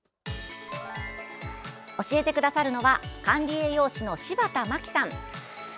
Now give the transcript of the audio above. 教えてくださるのは管理栄養士の柴田真希さん。